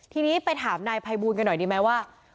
ทีนี้ไปถามนายภัยบูลกันหน่อยดีไหมว่า